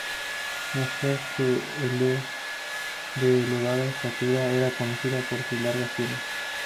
Mujer de elevada estatura, era conocida por sus largas piernas.